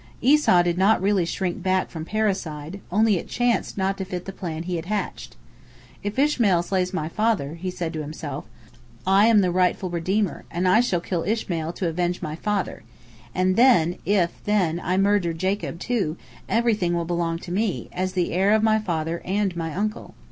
Esau did not really shrink back from parricide, only it chanced not to fit the plan he had hatched. "If Ishmael slays my father," he said to himself, "I am the rightful redeemer, and I shall kill Ishmael to avenge my father, and if, then, I murder Jacob, too, everything will belong to me, as the heir of my father and my uncle."